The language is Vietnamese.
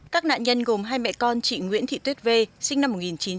các nạn nhân gồm hai mẹ con chị nguyễn thị tuyết v sinh năm một nghìn chín trăm tám mươi